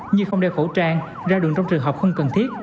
như không đeo khẩu trang ra đường trong trường hợp không cần thiết